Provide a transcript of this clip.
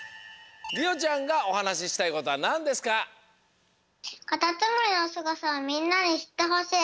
りおちゃんがおはなししたいことはなんですか？をみんなにしってほしい！